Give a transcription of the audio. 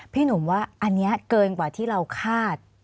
พี่หนุ่มว่าอันนี้เกินกว่าที่เราคาด